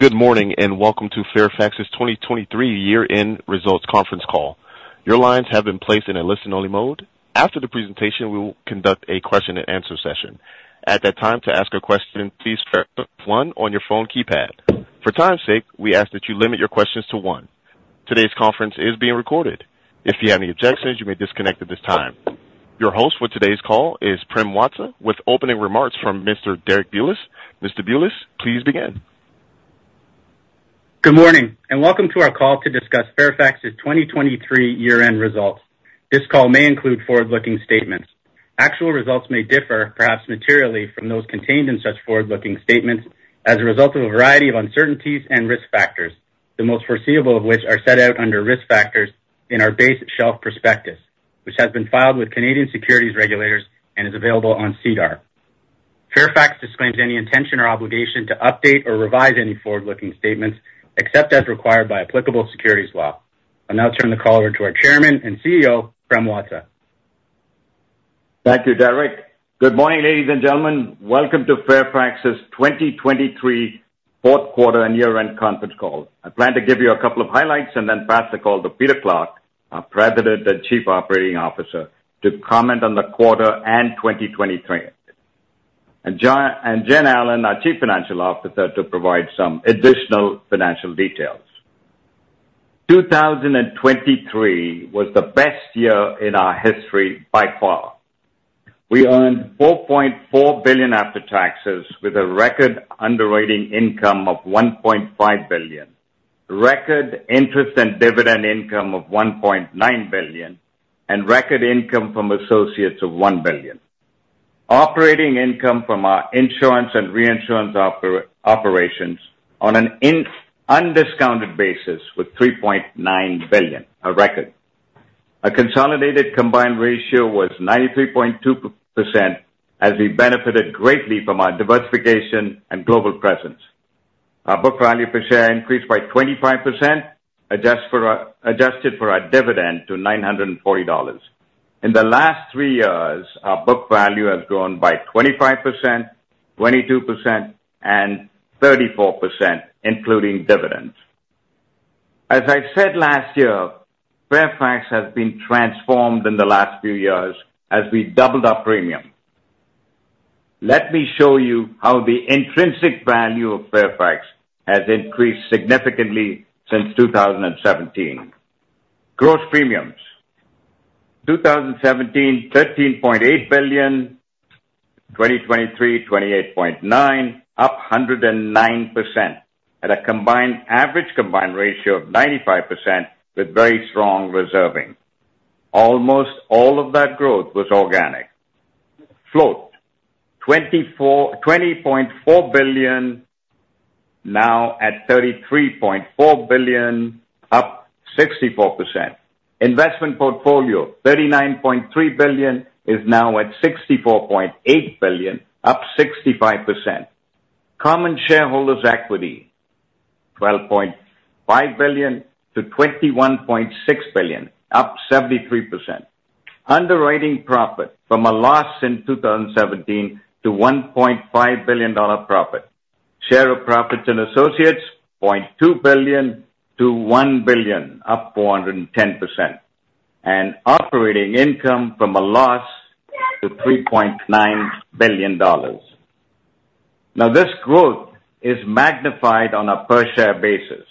Good morning and welcome to Fairfax's 2023 Year-End Results Conference Call. Your lines have been placed in a listen-only mode. After the presentation, we will conduct a question-and-answer session. At that time, to ask a question, please press one on your phone keypad. For time's sake, we ask that you limit your questions to one. Today's conference is being recorded. If you have any objections, you may disconnect at this time. Your host for today's call is Prem Watsa, with opening remarks from Mr. Derek Bulas. Mr. Bulas, please begin. Good morning and welcome to our call to discuss Fairfax's 2023 Year-End Results. This call may include forward-looking statements. Actual results may differ, perhaps materially, from those contained in such forward-looking statements as a result of a variety of uncertainties and risk factors, the most foreseeable of which are set out under risk factors in our base shelf prospectus, which has been filed with Canadian securities regulators and is available on SEDAR. Fairfax disclaims any intention or obligation to update or revise any forward-looking statements except as required by applicable securities law. I'll now turn the call over to our Chairman and CEO, Prem Watsa. Thank you, Derek. Good morning, ladies and gentlemen. Welcome to Fairfax's 2023 fourth quarter and year-end conference call. I plan to give you a couple of highlights and then pass the call to Peter Clarke, our President and Chief Operating Officer, to comment on the quarter and 2023. Jen Allen, our Chief Financial Officer, to provide some additional financial details. 2023 was the best year in our history by far. We earned $4.4 billion after taxes with a record underwriting income of $1.5 billion, record interest and dividend income of $1.9 billion, and record income from associates of $1 billion. Operating income from our insurance and reinsurance operations on an undiscounted basis was $3.9 billion, a record. Our consolidated Combined Ratio was 93.2% as we benefited greatly from our diversification and global presence. Our book value per share increased by 25%, adjusted for our dividend to $940. In the last three years, our book value has grown by 25%, 22%, and 34%, including dividends. As I said last year, Fairfax has been transformed in the last few years as we doubled our premium. Let me show you how the intrinsic value of Fairfax has increased significantly since 2017. Gross premiums: 2017, $13.8 billion; 2023, $28.9 billion, up 109% at a combined average combined ratio of 95% with very strong reserving. Almost all of that growth was organic. Float: $20.4 billion, now at $33.4 billion, up 64%. Investment portfolio: $39.3 billion is now at $64.8 billion, up 65%. Common shareholders' equity: $12.5 billion-$21.6 billion, up 73%. Underwriting profit from a loss in 2017 to $1.5 billion profit. Share of profits and associates: $0.2 billion-$1 billion, up 410%. And operating income from a loss to $3.9 billion. Now, this growth is magnified on a per-share basis.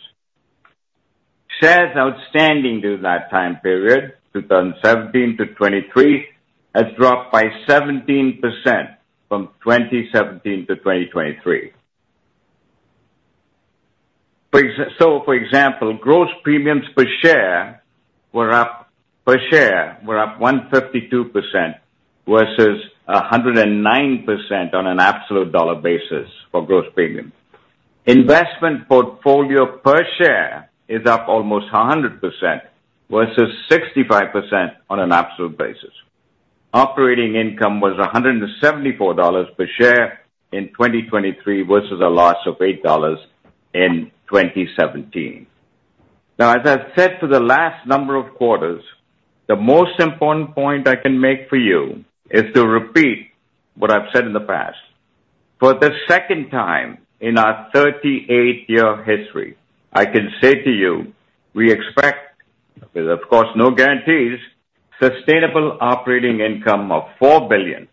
Shares outstanding during that time period, 2017 to 2023, has dropped by 17% from 2017 to 2023. So, for example, gross premiums per share were up 152% versus 109% on an absolute dollar basis for gross premiums. Investment portfolio per share is up almost 100% versus 65% on an absolute basis. Operating income was $174 per share in 2023 versus a loss of $8 in 2017. Now, as I've said for the last number of quarters, the most important point I can make for you is to repeat what I've said in the past. For the second time in our 38-year history, I can say to you we expect, there's, of course, no guarantees, sustainable operating income of $4 billion,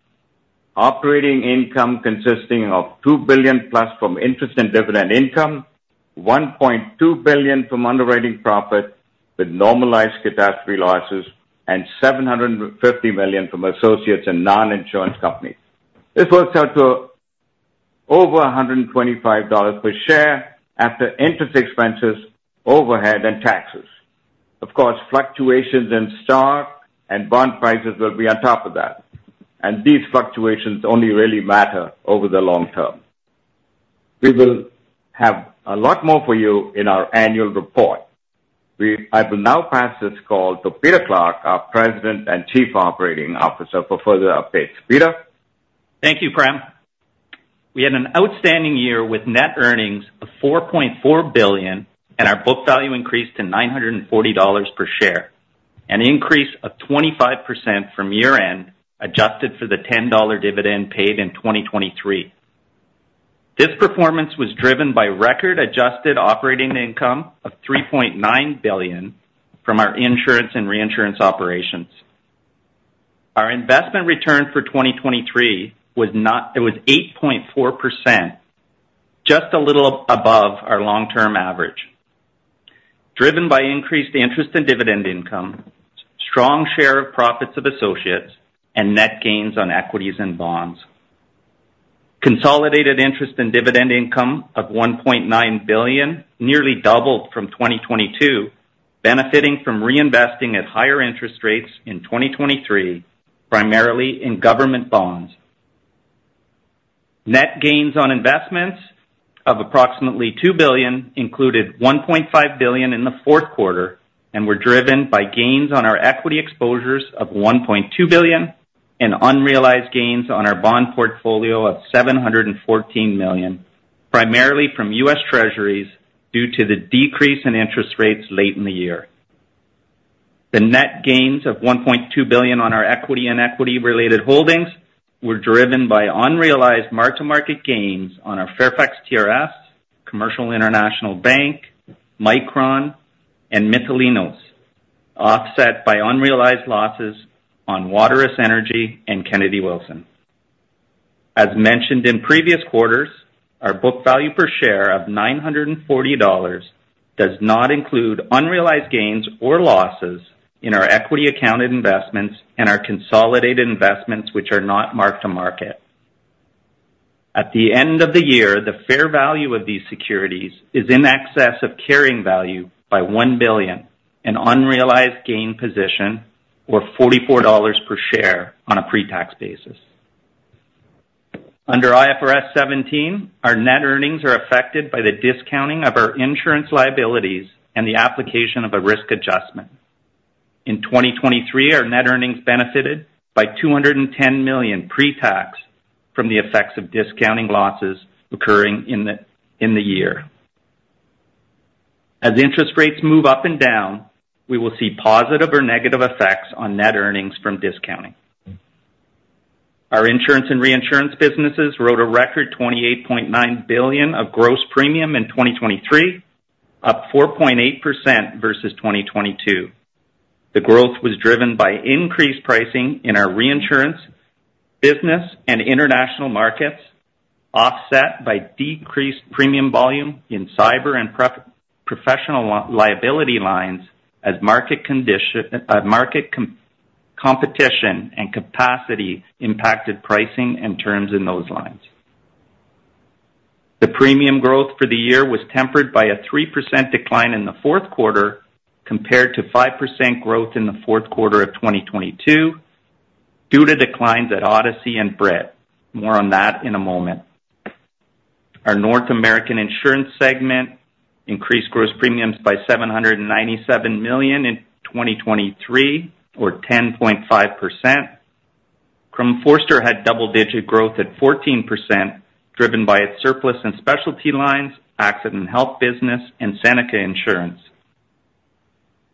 operating income consisting of $2 billion plus from interest and dividend income, $1.2 billion from underwriting profit with normalized catastrophe losses, and $750 million from associates and non-insurance companies. This works out to over $125 per share after interest expenses, overhead, and taxes. Of course, fluctuations in stock and bond prices will be on top of that. These fluctuations only really matter over the long term. We will have a lot more for you in our annual report. I will now pass this call to Peter Clarke, our President and Chief Operating Officer, for further updates. Peter. Thank you, Prem. We had an outstanding year with net earnings of $4.4 billion and our book value increased to $940 per share, an increase of 25% from year-end adjusted for the $10 dividend paid in 2023. This performance was driven by record-adjusted operating income of $3.9 billion from our insurance and reinsurance operations. Our investment return for 2023 was 8.4%, just a little above our long-term average, driven by increased interest and dividend income, strong share of profits of associates, and net gains on equities and bonds. Consolidated interest and dividend income of $1.9 billion nearly doubled from 2022, benefiting from reinvesting at higher interest rates in 2023, primarily in government bonds. Net gains on investments of approximately $2 billion included $1.5 billion in the fourth quarter and were driven by gains on our equity exposures of $1.2 billion and unrealized gains on our bond portfolio of $714 million, primarily from U.S. Treasuries due to the decrease in interest rates late in the year. The net gains of $1.2 billion on our equity and equity-related holdings were driven by unrealized mark-to-market gains on our Fairfax TRS, Commercial International Bank, Micron, and Mitsui, offset by unrealized losses on Waterous Energy and Kennedy Wilson. As mentioned in previous quarters, our book value per share of $940 does not include unrealized gains or losses in our equity-accounted investments and our consolidated investments, which are not mark-to-market. At the end of the year, the fair value of these securities is in excess of carrying value by $1 billion, an unrealized gain position or $44 per share on a pretax basis. Under IFRS 17, our net earnings are affected by the discounting of our insurance liabilities and the application of a risk adjustment. In 2023, our net earnings benefited by $210 million pretax from the effects of discounting losses occurring in the year. As interest rates move up and down, we will see positive or negative effects on net earnings from discounting. Our insurance and reinsurance businesses wrote a record $28.9 billion of gross premium in 2023, up 4.8% versus 2022. The growth was driven by increased pricing in our reinsurance, business, and international markets, offset by decreased premium volume in cyber and professional liability lines as market competition and capacity impacted pricing and terms in those lines. The premium growth for the year was tempered by a 3% decline in the fourth quarter compared to 5% growth in the fourth quarter of 2022 due to declines at Odyssey and Brit. More on that in a moment. Our North American insurance segment increased gross premiums by $797 million in 2023, or 10.5%. Crum & Forster had double-digit growth at 14%, driven by its Surplus & Specialty lines, Accident & Health business, and Seneca Insurance.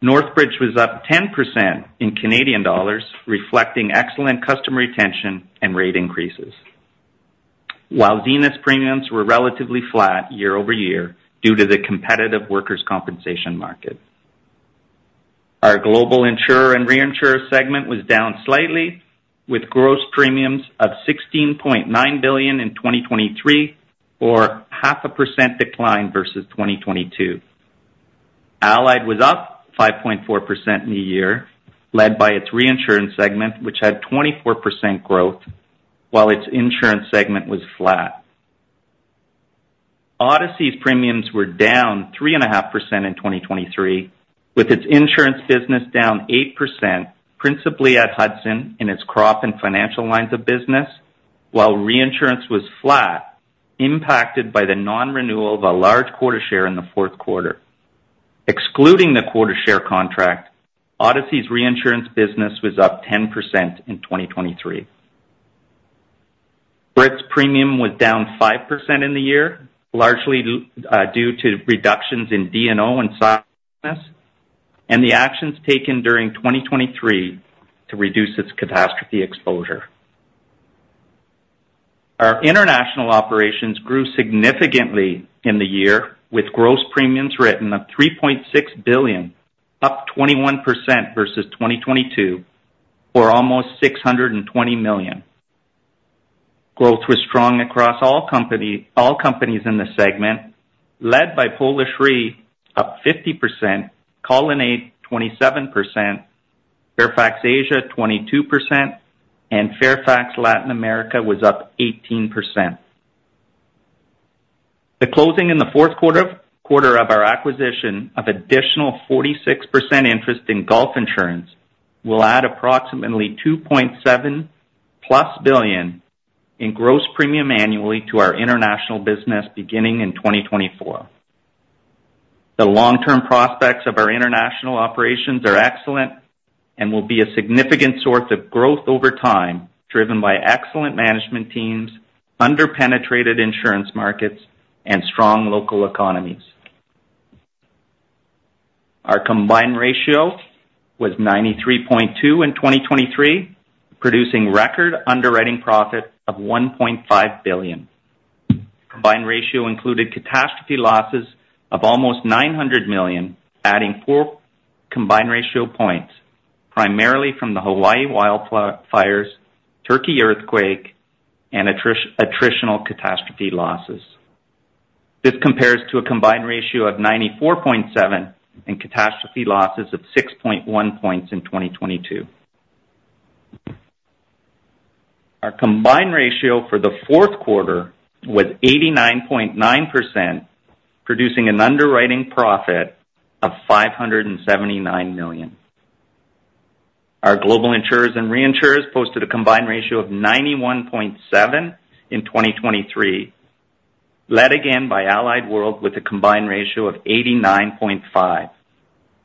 Northbridge was up 10% in Canadian dollars, reflecting excellent customer retention and rate increases, while Zenith's premiums were relatively flat year-over-year due to the competitive workers' compensation market. Our global insurer and reinsurer segment was down slightly, with gross premiums of $16.9 billion in 2023, or 0.5% decline versus 2022. Allied was up 5.4% in the year, led by its reinsurance segment, which had 24% growth while its insurance segment was flat. Odyssey's premiums were down 3.5% in 2023, with its insurance business down 8%, principally at Hudson in its crop and financial lines of business, while reinsurance was flat, impacted by the non-renewal of a large quota share in the fourth quarter. Excluding the quota share contract, Odyssey's reinsurance business was up 10% in 2023. Brit's premiums were down 5% in the year, largely due to reductions in D&O and cyber and the actions taken during 2023 to reduce its catastrophe exposure. Our international operations grew significantly in the year, with gross premiums written of $3.6 billion, up 21% versus 2022, or almost $620 million. Growth was strong across all companies in the segment, led by Polish Re, up 50%, Colonnade, 27%, Fairfax Asia, 22%, and Fairfax Latin America was up 18%. The closing in the fourth quarter of our acquisition of additional 46% interest in Gulf Insurance will add approximately $2.7+ billion in gross premium annually to our international business beginning in 2024. The long-term prospects of our international operations are excellent and will be a significant source of growth over time, driven by excellent management teams, under-penetrated insurance markets, and strong local economies. Our combined ratio was 93.2% in 2023, producing record underwriting profit of $1.5 billion. Combined ratio included catastrophe losses of almost $900 million, adding four combined ratio points, primarily from the Hawaii wildfires, Turkey earthquake, and attritional catastrophe losses. This compares to a combined ratio of 94.7% and catastrophe losses of 6.1 points in 2022. Our combined ratio for the fourth quarter was 89.9%, producing an underwriting profit of $579 million. Our global insurers and reinsurers posted a combined ratio of 91.7% in 2023, led again by Allied World with a combined ratio of 89.5%,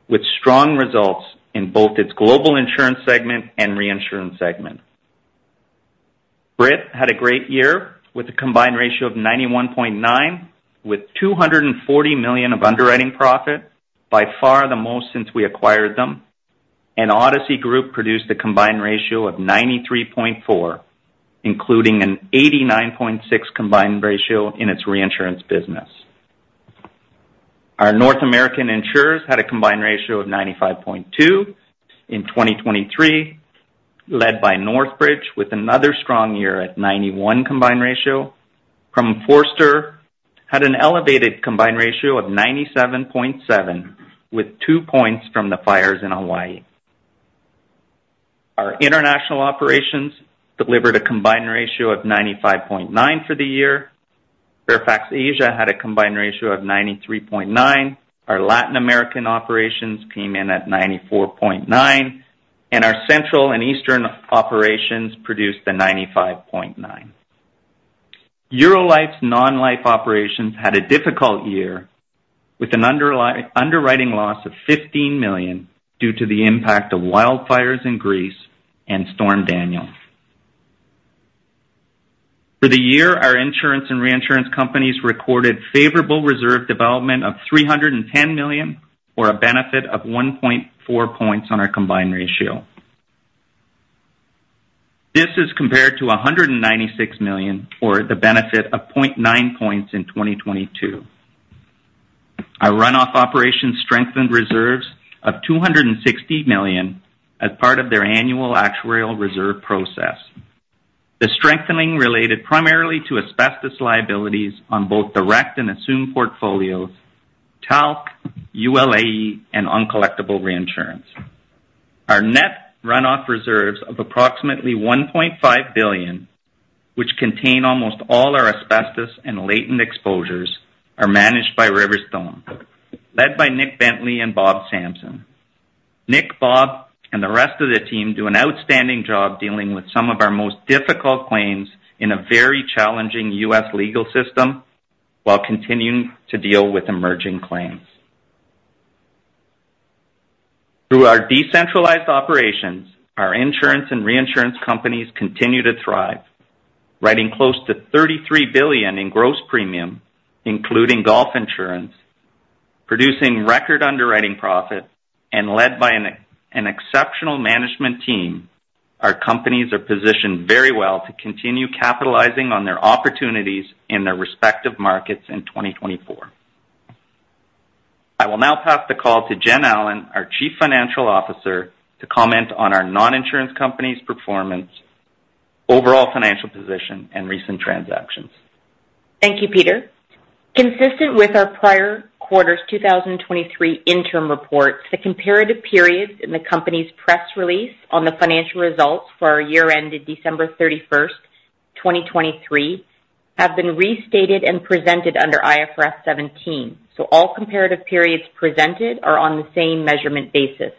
with strong results in both its global insurance segment and reinsurance segment. Brit had a great year with a combined ratio of 91.9%, with $240 million of underwriting profit, by far the most since we acquired them, and Odyssey Group produced a combined ratio of 93.4%, including an 89.6 combined ratio in its reinsurance business. Our North American insurers had a combined ratio of 95.2% in 2023, led by Northbridge with another strong year at 91% combined ratio. Crum & Forster had an elevated combined ratio of 97.7%, with two points from the fires in Hawaii. Our international operations delivered a combined ratio of 95.9% for the year. Fairfax Asia had a combined ratio of 93.9%. Our Latin American operations came in at 94.9%, and our central and eastern operations produced a 95.9%. Eurolife's non-life operations had a difficult year, with an underwriting loss of $15 million due to the impact of wildfires in Greece and Storm Daniel. For the year, our insurance and reinsurance companies recorded favorable reserve development of $310 million, or a benefit of 1.4 points on our combined ratio. This is compared to $196 million, or the benefit of 0.9 points in 2022. Our runoff operations strengthened reserves of $260 million as part of their annual actuarial reserve process. The strengthening related primarily to asbestos liabilities on both direct and assumed portfolios, talc, ULAE, and uncollectible reinsurance. Our net runoff reserves of approximately $1.5 billion, which contain almost all our asbestos and latent exposures, are managed by RiverStone, led by Nick Bentley and Bob Sampson. Nick, Bob, and the rest of the team do an outstanding job dealing with some of our most difficult claims in a very challenging U.S. legal system while continuing to deal with emerging claims. Through our decentralized operations, our insurance and reinsurance companies continue to thrive, writing close to $33 billion in gross premium, including Gulf Insurance, producing record underwriting profit, and led by an exceptional management team, our companies are positioned very well to continue capitalizing on their opportunities in their respective markets in 2024. I will now pass the call to Jen Allen, our Chief Financial Officer, to comment on our noninsurance companies' performance, overall financial position, and recent transactions. Thank you, Peter. Consistent with our prior quarter's 2023 interim reports, the comparative periods in the company's press release on the financial results for our year-end at December 31st, 2023, have been restated and presented under IFRS 17, so all comparative periods presented are on the same measurement basis.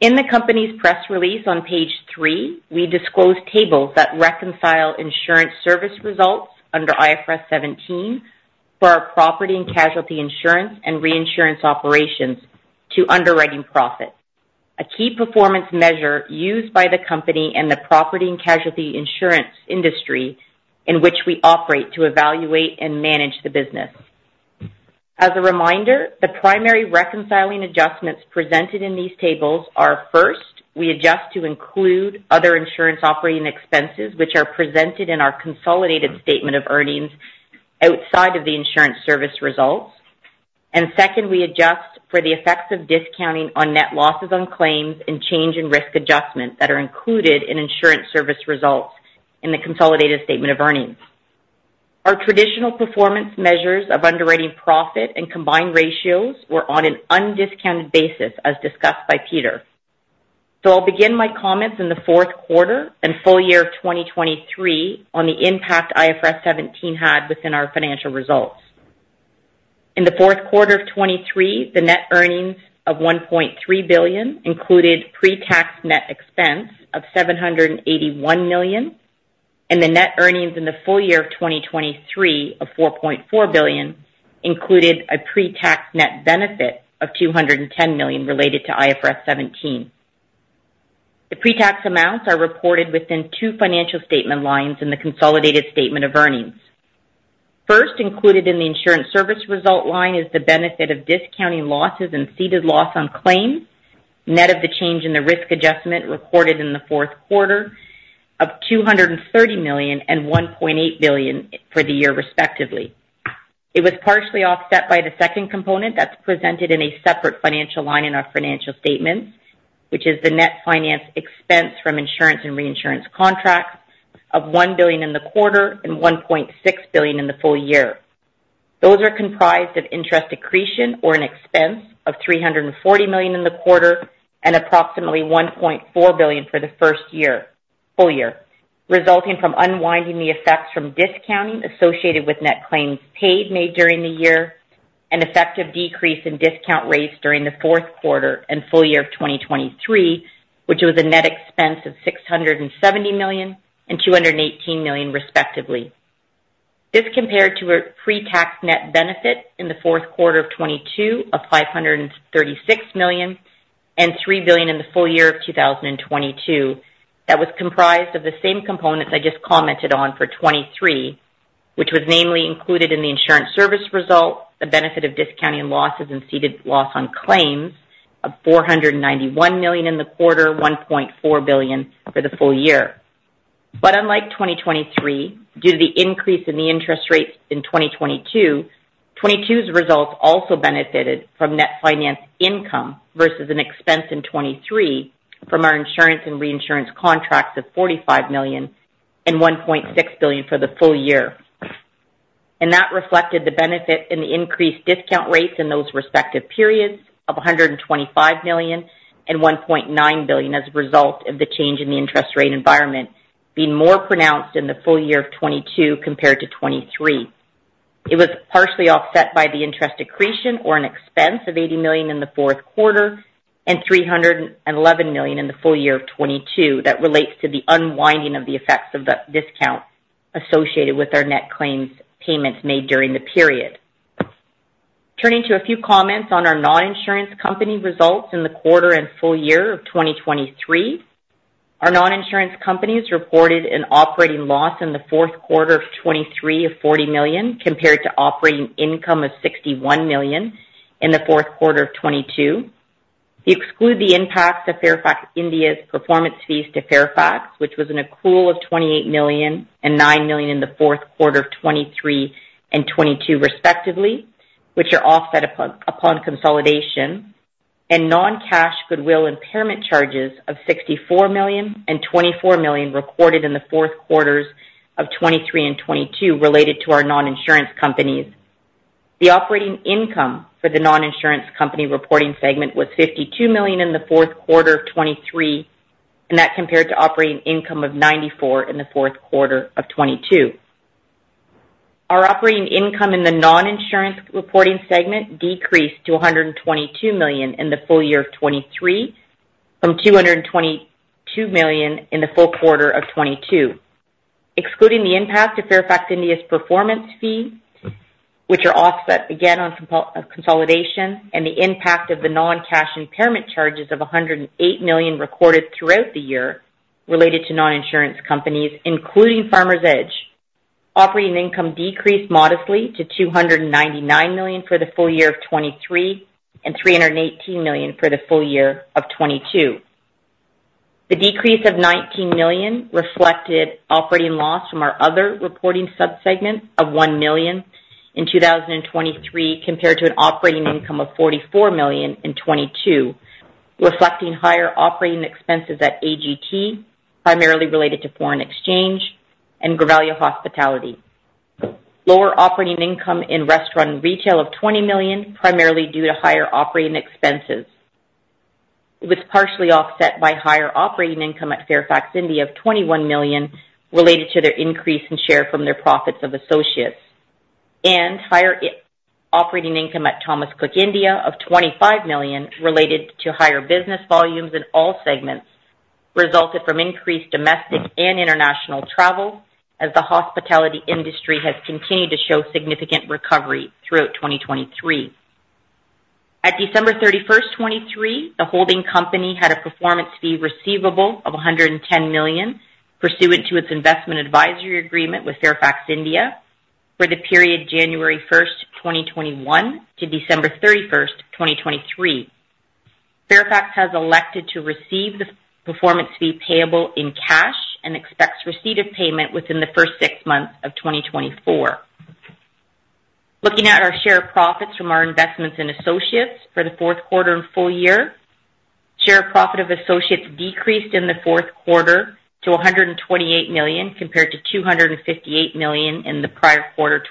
In the company's press release on page three, we disclose tables that reconcile insurance service results under IFRS 17 for our property and casualty insurance and reinsurance operations to underwriting profit, a key performance measure used by the company and the property and casualty insurance industry in which we operate to evaluate and manage the business. As a reminder, the primary reconciling adjustments presented in these tables are: first, we adjust to include other insurance operating expenses, which are presented in our consolidated statement of earnings outside of the insurance service results, and second, we adjust for the effects of discounting on net losses on claims and change in risk adjustment that are included in insurance service results in the consolidated statement of earnings. Our traditional performance measures of underwriting profit and combined ratios were on an undiscounted basis, as discussed by Peter. I'll begin my comments on the fourth quarter and full year of 2023 on the impact IFRS 17 had within our financial results. In the fourth quarter of 2023, the net earnings of $1.3 billion included pretax net expense of $781 million, and the net earnings in the full year of 2023 of $4.4 billion included a pretax net benefit of $210 million related to IFRS 17. The pretax amounts are reported within two financial statement lines in the consolidated statement of earnings. First included in the insurance service result line is the benefit of discounting losses and settled loss on claims, net of the change in the risk adjustment recorded in the fourth quarter of $230 million and $1.8 billion for the year, respectively. It was partially offset by the second component that's presented in a separate financial line in our financial statements, which is the net finance expense from insurance and reinsurance contracts of $1 billion in the quarter and $1.6 billion in the full year. Those are comprised of interest accretion or an expense of $340 million in the quarter and approximately $1.4 billion for the first year, full year, resulting from unwinding the effects from discounting associated with net claims paid made during the year and effective decrease in discount rates during the fourth quarter and full year of 2023, which was a net expense of $670 million and $218 million, respectively. This compared to a pretax net benefit in the fourth quarter of 2022 of $536 million and $3 billion in the full year of 2022 that was comprised of the same components I just commented on for 2023, which was namely included in the insurance service result, the benefit of discounting losses and settled loss on claims of $491 million in the quarter, $1.4 billion for the full year. But unlike 2023, due to the increase in the interest rates in 2022, 2022's results also benefited from net finance income versus an expense in 2023 from our insurance and reinsurance contracts of $45 million and $1.6 billion for the full year. And that reflected the benefit in the increased discount rates in those respective periods of $125 million and $1.9 billion as a result of the change in the interest rate environment being more pronounced in the full year of 2022 compared to 2023. It was partially offset by the interest accretion or an expense of $80 million in the fourth quarter and $311 million in the full year of 2022 that relates to the unwinding of the effects of the discount associated with our net claims payments made during the period. Turning to a few comments on our noninsurance company results in the quarter and full year of 2023, our noninsurance companies reported an operating loss in the fourth quarter of 2023 of $40 million compared to operating income of $61 million in the fourth quarter of 2022. We exclude the impacts of Fairfax India's performance fees to Fairfax, which was an accrual of $28 million and $9 million in the fourth quarter of 2023 and 2022, respectively, which are offset upon consolidation, and non-cash goodwill impairment charges of $64 million and $24 million recorded in the fourth quarters of 2023 and 2022 related to our noninsurance companies. The operating income for the noninsurance company reporting segment was $52 million in the fourth quarter of 2023, and that compared to operating income of $94 million in the fourth quarter of 2022. Our operating income in the noninsurance reporting segment decreased to $122 million in the full year of 2023 from $222 million in the full quarter of 2022. Excluding the impact of Fairfax India's performance fee, which are offset again on consolidation, and the impact of the non-cash impairment charges of $108 million recorded throughout the year related to noninsurance companies, including Farmers Edge, operating income decreased modestly to $299 million for the full year of 2023 and $318 million for the full year of 2022. The decrease of $19 million reflected operating loss from our other reporting subsegment of $1 million in 2023 compared to an operating income of $44 million in 2022, reflecting higher operating expenses at AGT, primarily related to foreign exchange, and Grivalia Hospitality. Lower operating income in restaurant and retail of $20 million, primarily due to higher operating expenses. It was partially offset by higher operating income at Fairfax India of $21 million related to their increase in share from their profits of associates, and higher operating income at Thomas Cook India of $25 million related to higher business volumes in all segments resulted from increased domestic and international travel as the hospitality industry has continued to show significant recovery throughout 2023. At December 31st, 2023, the holding company had a performance fee receivable of $110 million pursuant to its investment advisory agreement with Fairfax India for the period January 1st, 2021, to December 31st, 2023. Fairfax has elected to receive the performance fee payable in cash and expects receipt of payment within the first six months of 2024. Looking at our share of profits from our investments in associates for the fourth quarter and full year, share of profit of associates decreased in the fourth quarter to $128 million compared to $258 million in the prior quarter,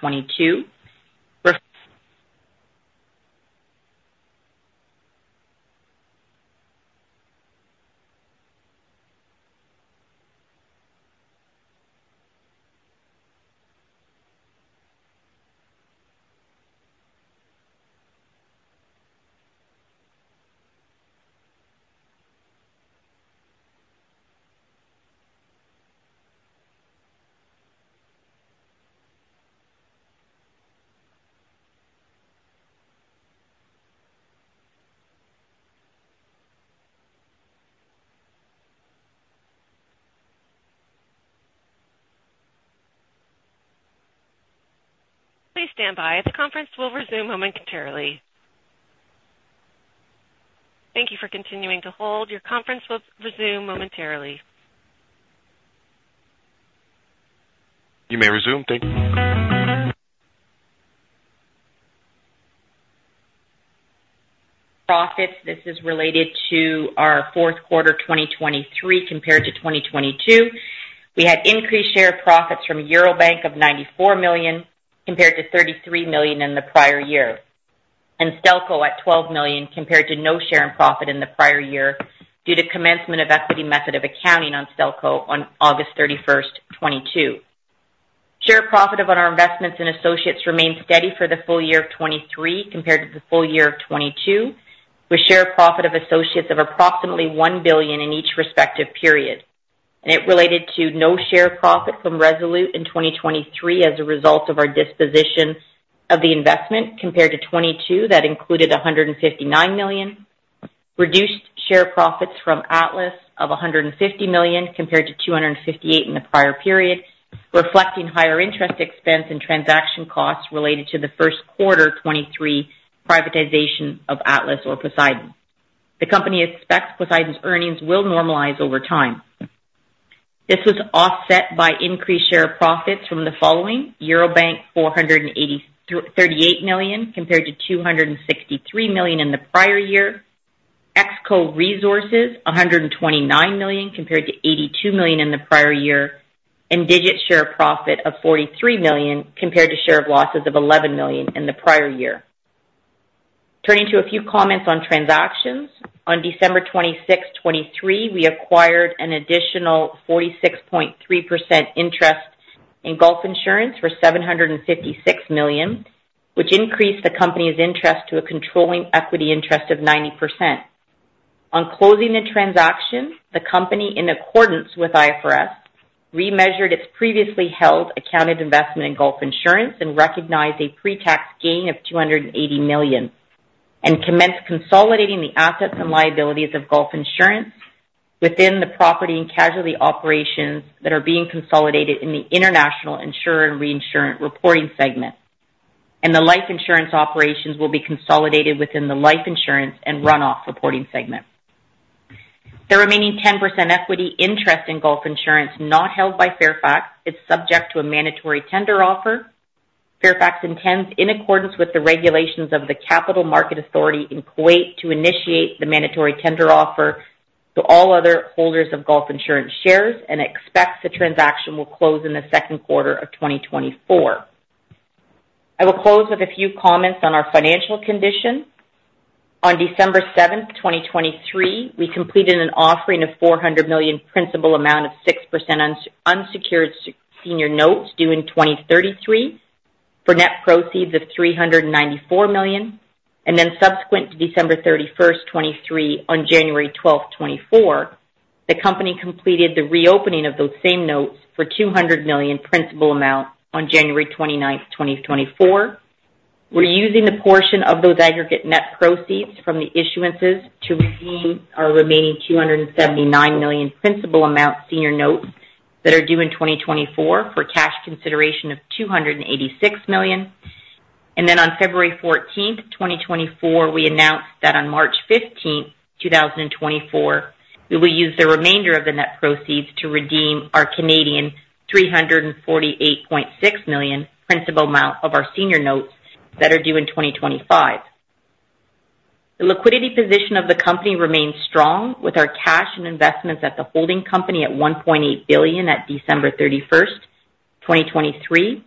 2022. Please stand by. The conference will resume momentarily. Thank you for continuing to hold. Your conference will resume momentarily. You may resume. Thank you. Profits, this is related to our fourth quarter, 2023, compared to 2022. We had increased share of profits from Eurobank of $94 million compared to $33 million in the prior year, and Stelco at $12 million compared to no share in profit in the prior year due to commencement of equity method of accounting on Stelco on August 31st, 2022. Share of profit of our investments in associates remained steady for the full year of 2023 compared to the full year of 2022, with share of profit of associates of approximately $1 billion in each respective period. It related to no share of profit from Resolute in 2023 as a result of our disposition of the investment compared to 2022 that included $159 million. Reduced share of profits from Atlas of $150 million compared to $258 million in the prior period, reflecting higher interest expense and transaction costs related to the first quarter, 2023, privatization of Atlas or Poseidon. The company expects Poseidon's earnings will normalize over time. This was offset by increased share of profits from the following: Eurobank, $483 million compared to $263 million in the prior year; EXCO Resources, $129 million compared to $82 million in the prior year; and Digit's share of profit of $43 million compared to share of losses of $11 million in the prior year. Turning to a few comments on transactions, on December 26th, 2023, we acquired an additional 46.3% interest in Gulf Insurance for $756 million, which increased the company's interest to a controlling equity interest of 90%. On closing the transaction, the company, in accordance with IFRS, remeasured its previously held accounted investment in Gulf Insurance and recognized a pretax gain of $280 million and commenced consolidating the assets and liabilities of Gulf Insurance within the property and casualty operations that are being consolidated in the international insurer and reinsurer reporting segment, and the life insurance operations will be consolidated within the life insurance and runoff reporting segment. The remaining 10% equity interest in Gulf Insurance not held by Fairfax is subject to a mandatory tender offer. Fairfax intends, in accordance with the regulations of the Capital Market Authority in Kuwait, to initiate the mandatory tender offer to all other holders of Gulf Insurance shares and expects the transaction will close in the second quarter of 2024. I will close with a few comments on our financial condition. On December 7, 2023, we completed an offering of $400 million principal amount of 6% unsecured senior notes due in 2033 for net proceeds of $394 million. Then subsequent to December 31, 2023, on January 12, 2024, the company completed the reopening of those same notes for $200 million principal amount on January 29, 2024, reusing the portion of those aggregate net proceeds from the issuances to redeem our remaining $279 million principal amount senior notes that are due in 2024 for cash consideration of $286 million. Then on February 14th, 2024, we announced that on March 15th, 2024, we will use the remainder of the net proceeds to redeem our 348.6 million Canadian dollars principal amount of our senior notes that are due in 2025. The liquidity position of the company remains strong with our cash and investments at the holding company at $1.8 billion at December 31st, 2023,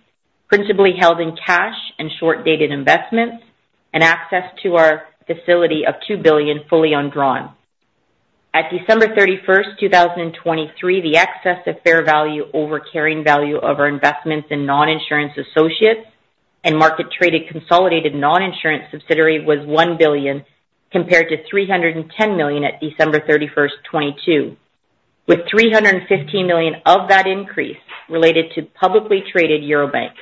principally held in cash and short-dated investments, and access to our facility of $2 billion fully undrawn. At December 31st, 2023, the excess of fair value over carrying value of our investments in noninsurance associates and market-traded consolidated noninsurance subsidiary was $1 billion compared to $310 million at December 31st, 2022, with $315 million of that increase related to publicly traded Eurobank.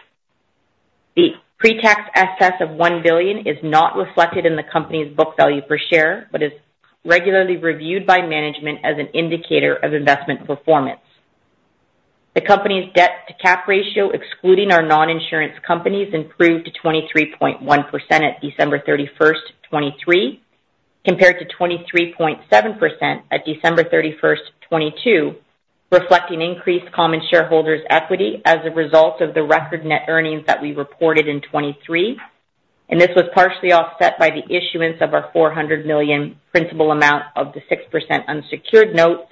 The pre-tax assets of $1 billion is not reflected in the company's book value per share but is regularly reviewed by management as an indicator of investment performance. The company's debt-to-capital ratio, excluding our noninsurance companies, improved to 23.1% at December 31st, 2023, compared to 23.7% at December 31st, 2022, reflecting increased common shareholders' equity as a result of the record net earnings that we reported in 2023. This was partially offset by the issuance of our $400 million principal amount of the 6% unsecured notes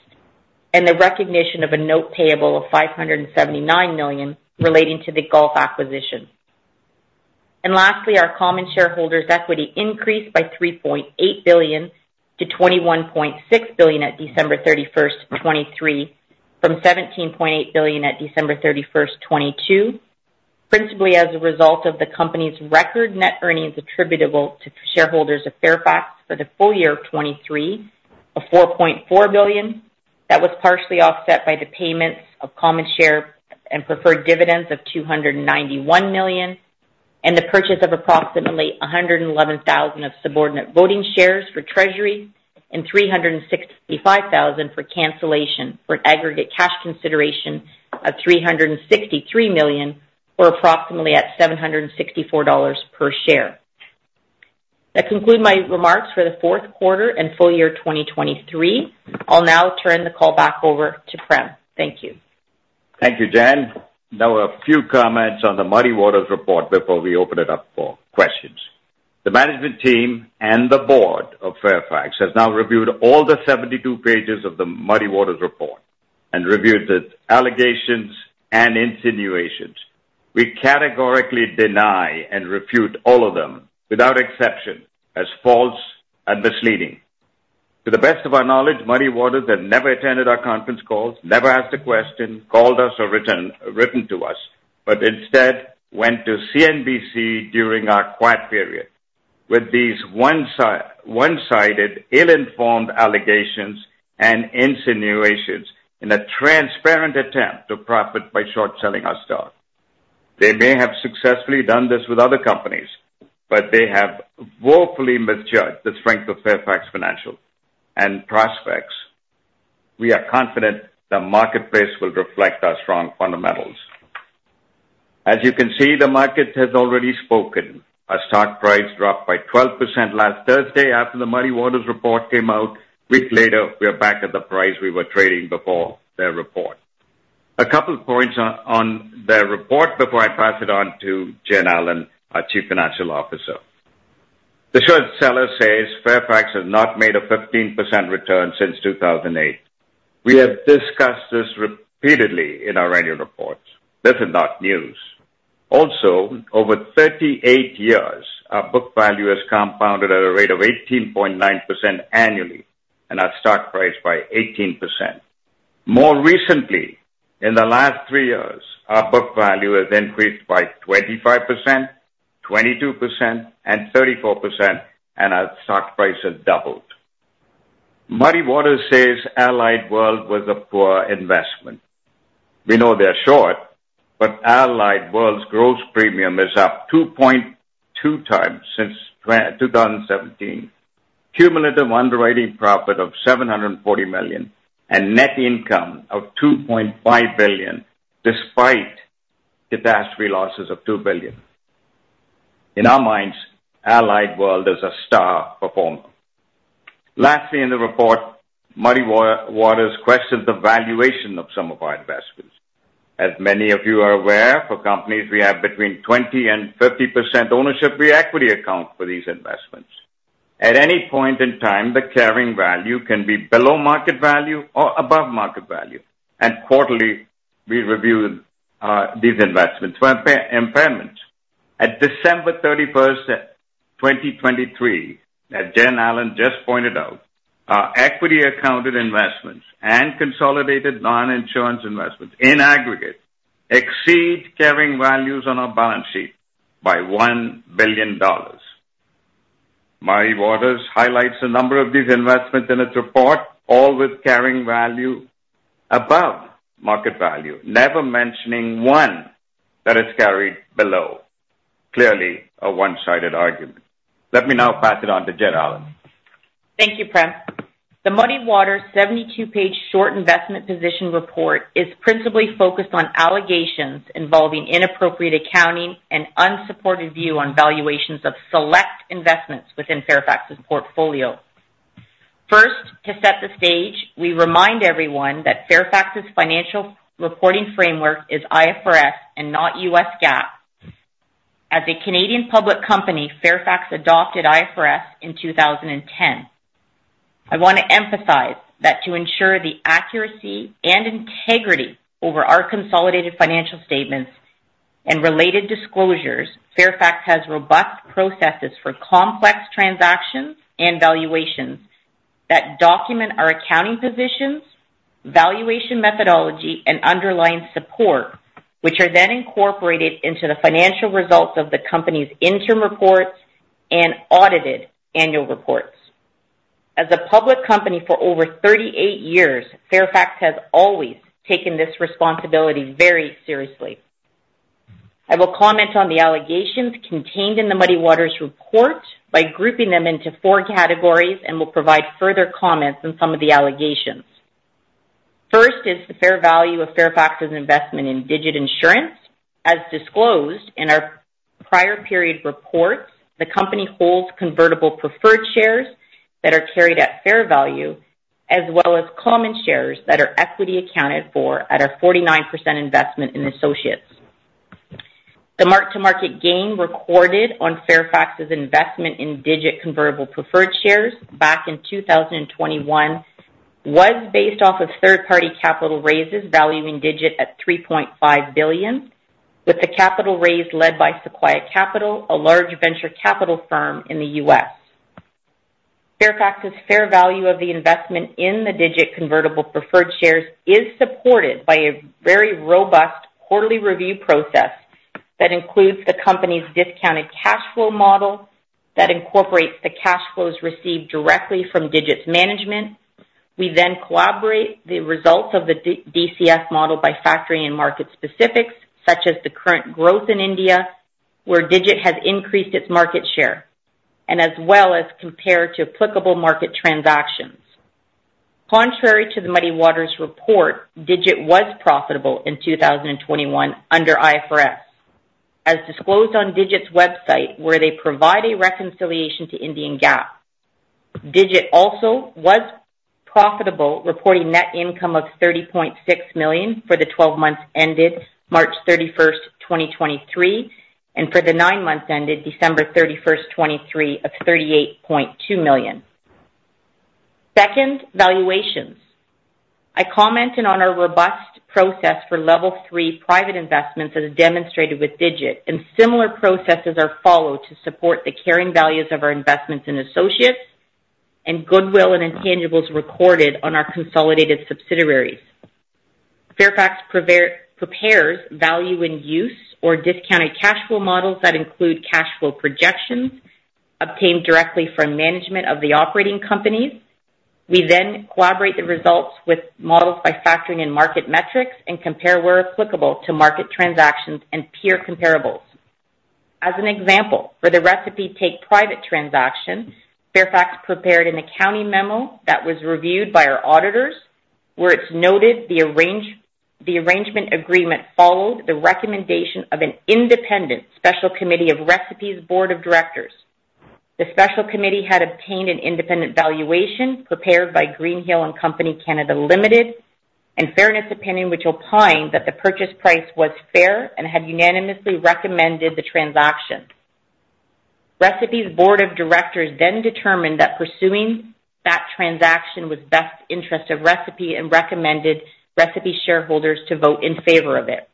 and the recognition of a note payable of $579 million relating to the Gulf acquisition. Lastly, our common shareholders' equity increased by $3.8 billion to $21.6 billion at December 31st, 2023, from $17.8 billion at December 31st, 2022, principally as a result of the company's record net earnings attributable to shareholders of Fairfax for the full year of 2023 of $4.4 billion. That was partially offset by the payments of common share and preferred dividends of $291 million and the purchase of approximately 111,000 of subordinate voting shares for treasury and $365,000 for cancellation for an aggregate cash consideration of $363 million for approximately at $764 per share. That concludes my remarks for the fourth quarter and full year of 2023. I'll now turn the call back over to Prem. Thank you. Thank you, Jen. Now, a few comments on the Muddy Waters report before we open it up for questions. The management team and the board of Fairfax have now reviewed all the 72 pages of the Muddy Waters report and reviewed the allegations and insinuations. We categorically deny and refute all of them without exception as false and misleading. To the best of our knowledge, Muddy Waters had never attended our conference calls, never asked a question, called us, or written to us, but instead went to CNBC during our quiet period with these one-sided, ill-informed allegations and insinuations in a transparent attempt to profit by short-selling our stock. They may have successfully done this with other companies, but they have woefully misjudged the strength of Fairfax Financial and Prospects. We are confident the marketplace will reflect our strong fundamentals. As you can see, the market has already spoken. Our stock price dropped by 12% last Thursday after the Muddy Waters report came out. A week later, we are back at the price we were trading before their report. A couple of points on their report before I pass it on to Jen Allen, our Chief Financial Officer. The short seller says, "Fairfax has not made a 15% return since 2008." We have discussed this repeatedly in our annual reports. This is not news. Also, over 38 years, our book value has compounded at a rate of 18.9% annually and our stock price by 18%. More recently, in the last three years, our book value has increased by 25%, 22%, and 34%, and our stock price has doubled. Muddy Waters says Allied World was a poor investment. We know they're short, but Allied World's gross premium is up 2.2x since 2017, cumulative underwriting profit of $740 million, and net income of $2.5 billion despite catastrophe losses of $2 billion. In our minds, Allied World is a star performer. Lastly, in the report, Muddy Waters questions the valuation of some of our investments. As many of you are aware, for companies, we have between 20%-50% ownership via equity-accounted for these investments. At any point in time, the carrying value can be below market value or above market value. Quarterly, we review these investments for impairments. At December 31st, 2023, as Jen Allen just pointed out, our equity-accounted investments and consolidated noninsurance investments in aggregate exceed carrying values on our balance sheet by $1 billion. Muddy Waters highlights a number of these investments in its report, all with carrying value above market value, never mentioning one that has carried below. Clearly, a one-sided argument. Let me now pass it on to Jen Allen. Thank you, Prem. The Muddy Waters' 72-page short investment position report is principally focused on allegations involving inappropriate accounting and unsupported view on valuations of select investments within Fairfax's portfolio. First, to set the stage, we remind everyone that Fairfax's financial reporting framework is IFRS and not U.S. GAAP. As a Canadian public company, Fairfax adopted IFRS in 2010. I want to emphasize that to ensure the accuracy and integrity over our consolidated financial statements and related disclosures, Fairfax has robust processes for complex transactions and valuations that document our accounting positions, valuation methodology, and underlying support, which are then incorporated into the financial results of the company's interim reports and audited annual reports. As a public company for over 38 years, Fairfax has always taken this responsibility very seriously. I will comment on the allegations contained in the Muddy Waters report by grouping them into four categories and will provide further comments on some of the allegations. First is the fair value of Fairfax's investment in Digit Insurance. As disclosed in our prior period reports, the company holds convertible preferred shares that are carried at fair value as well as common shares that are equity accounted for at our 49% investment in associates. The mark-to-market gain recorded on Fairfax's investment in Digit convertible preferred shares back in 2021 was based off of third-party capital raises valuing Digit at $3.5 billion, with the capital raise led by Sequoia Capital, a large venture capital firm in the U.S. Fairfax's fair value of the investment in the Digit convertible preferred shares is supported by a very robust quarterly review process that includes the company's discounted cash flow model that incorporates the cash flows received directly from Digit's management. We then corroborate the results of the DCF model by factoring in market specifics such as the current growth in India where Digit has increased its market share, and as well as compare to applicable market transactions. Contrary to the Muddy Waters report, Digit was profitable in 2021 under IFRS, as disclosed on Digit's website where they provide a reconciliation to Indian GAAP. Digit also was profitable, reporting net income of $30.6 million for the 12 months ended March 31st, 2023, and for the nine months ended December 31st, 2023, of $38.2 million. Second, valuations. I commented on our robust process for Level Three private investments as demonstrated with Digit, and similar processes are followed to support the carrying values of our investments in associates and goodwill and intangibles recorded on our consolidated subsidiaries. Fairfax prepares value in use or discounted cash flow models that include cash flow projections obtained directly from management of the operating companies. We then calibrate the results with models by factoring in market metrics and compare where applicable to market transactions and peer comparables. As an example, for the Recipe take private transaction, Fairfax prepared an accounting memo that was reviewed by our auditors where it's noted the arrangement agreement followed the recommendation of an independent special committee of Recipe's board of directors. The special committee had obtained an independent valuation prepared by Greenhill & Co Canada Ltd and fairness opinion, which opined that the purchase price was fair and had unanimously recommended the transaction. Recipe's board of directors then determined that pursuing that transaction was best interest of Recipe and recommended Recipe shareholders to vote in favor of it.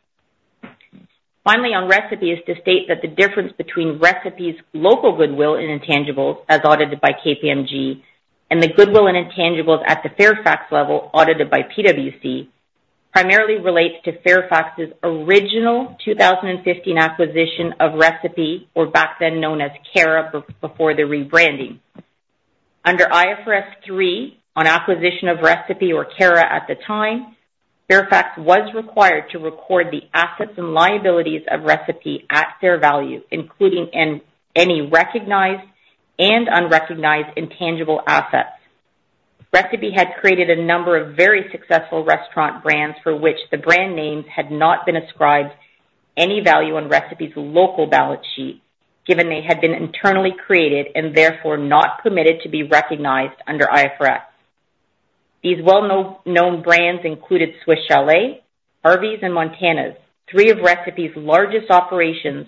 Finally, on Recipe is to state that the difference between Recipe's local goodwill and intangibles, as audited by KPMG, and the goodwill and intangibles at the Fairfax level audited by PwC primarily relates to Fairfax's original 2015 acquisition of Recipe, or back then known as Cara, before the rebranding. Under IFRS 3 on acquisition of Recipe or Cara at the time, Fairfax was required to record the assets and liabilities of Recipe at fair value, including any recognized and unrecognized intangible assets. Recipe had created a number of very successful restaurant brands for which the brand names had not been ascribed any value on Recipe's local balance sheet, given they had been internally created and therefore not permitted to be recognized under IFRS. These well-known brands included Swiss Chalet, Arby's, and Montana's, three of Recipe's largest operations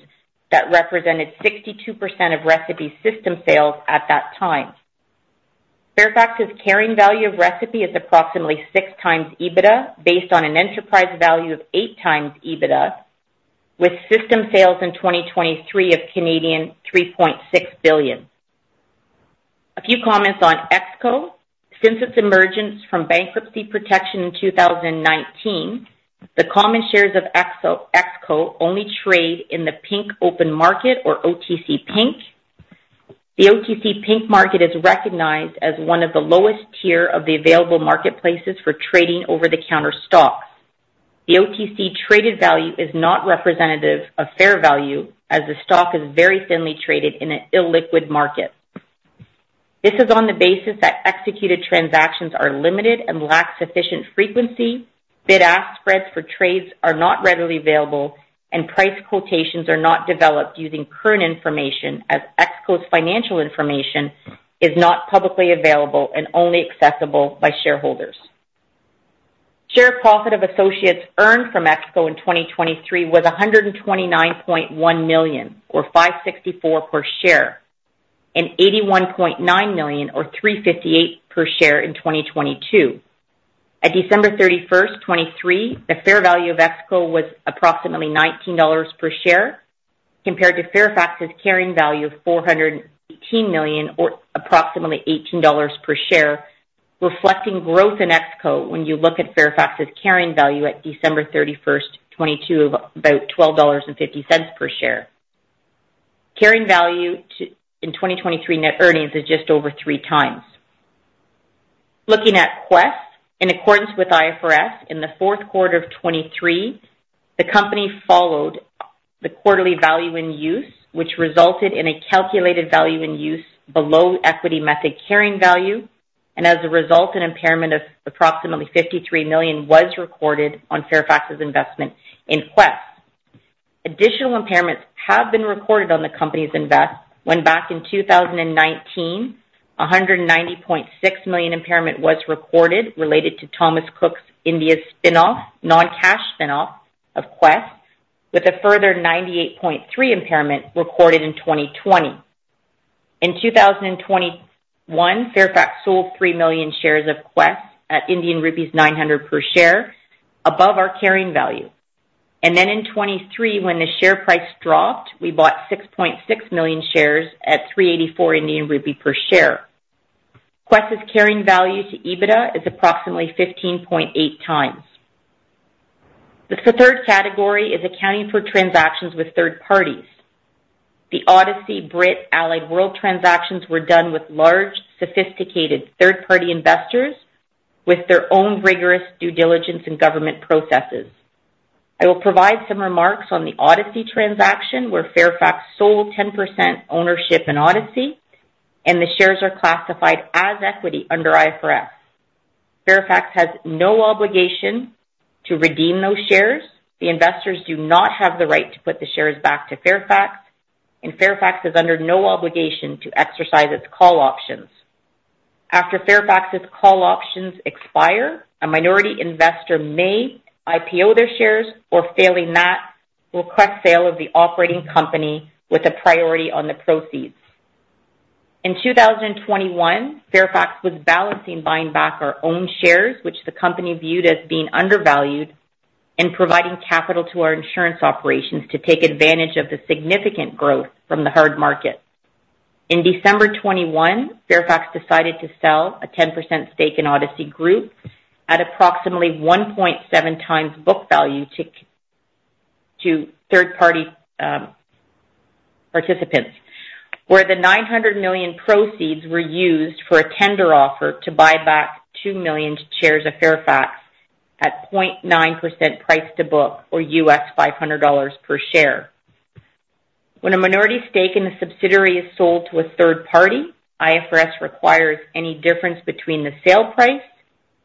that represented 62% of Recipe's system sales at that time. Fairfax's carrying value of Recipe is approximately 6x EBITDA based on an enterprise value of 8x EBITDA, with system sales in 2023 of 3.6 billion Canadian dollars. A few comments on EXCO. Since its emergence from bankruptcy protection in 2019, the common shares of EXCO only trade in the Pink Open Market, or OTC Pink. The OTC Pink market is recognized as one of the lowest tier of the available marketplaces for trading over-the-counter stocks. The OTC traded value is not representative of fair value, as the stock is very thinly traded in an illiquid market. This is on the basis that executed transactions are limited and lack sufficient frequency, bid-ask spreads for trades are not readily available, and price quotations are not developed using current information, as EXCO's financial information is not publicly available and only accessible by shareholders. Share profit of associates earned from EXCO in 2023 was $129.1 million, or $564 per share, and $81.9 million, or $358 per share in 2022. At December 31st, 2023, the fair value of EXCO was approximately $19 per share compared to Fairfax's carrying value of $418 million, or approximately $18 per share, reflecting growth in EXCO when you look at Fairfax's carrying value at December 31st, 2022, of about $12.50 per share. Carrying value in 2023 net earnings is just over three times. Looking at Quess, in accordance with IFRS, in the fourth quarter of 2023, the company followed the quarterly value in use, which resulted in a calculated value in use below equity method carrying value, and as a result, an impairment of approximately $53 million was recorded on Fairfax's investment in Quess. Additional impairments have been recorded on the company's investment. When back in 2019, a $190.6 million impairment was recorded related to Thomas Cook India spinoff, non-cash spinoff, of Quess, with a further $98.3 million impairment recorded in 2020. In 2021, Fairfax sold 3 million shares of Quess at Indian rupees 900 per share, above our carrying value. And then in 2023, when the share price dropped, we bought 6.6 million shares at 384 Indian rupee per share. Quess' carrying value to EBITDA is approximately 15.8x. The third category is accounting for transactions with third parties. The Odyssey, Brit, Allied World transactions were done with large, sophisticated third-party investors with their own rigorous due diligence and government processes. I will provide some remarks on the Odyssey transaction where Fairfax sold 10% ownership in Odyssey, and the shares are classified as equity under IFRS. Fairfax has no obligation to redeem those shares. The investors do not have the right to put the shares back to Fairfax, and Fairfax is under no obligation to exercise its call options. After Fairfax's call options expire, a minority investor may IPO their shares, or failing that, request sale of the operating company with a priority on the proceeds. In 2021, Fairfax was balancing buying back our own shares, which the company viewed as being undervalued, and providing capital to our insurance operations to take advantage of the significant growth from the hard market. In December 2021, Fairfax decided to sell a 10% stake in Odyssey Group at approximately 1.7x book value to third-party participants, where the $900 million proceeds were used for a tender offer to buy back 2 million shares of Fairfax at 0.9x price to book, or $500 per share. When a minority stake in a subsidiary is sold to a third party, IFRS requires any difference between the sale price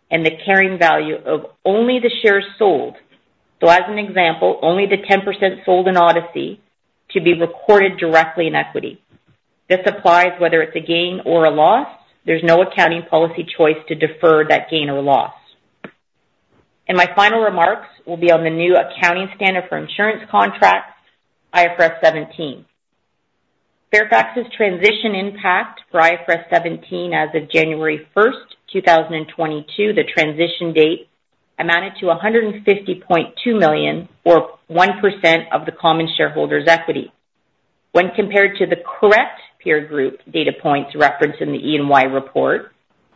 and the carrying value of only the shares sold, so as an example, only the 10% sold in Odyssey, to be recorded directly in equity. This applies whether it's a gain or a loss. There's no accounting policy choice to defer that gain or loss. My final remarks will be on the new accounting standard for insurance contracts, IFRS 17. Fairfax's transition impact for IFRS 17 as of January 1st, 2022, the transition date, amounted to $150.2 million, or 1% of the common shareholders' equity. When compared to the correct peer group data points referenced in the EY report,